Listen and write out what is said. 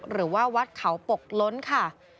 หรือว่าวัดเขาปกล้นค่ะ